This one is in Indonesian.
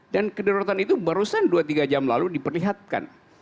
dan kedaruratan itu barusan dua tiga jam lalu diperlihatkan